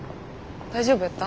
大丈夫やった？